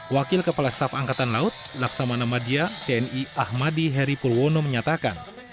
wakil kepala staf angkatan laut laksamana madia tni ahmadi heri purwono menyatakan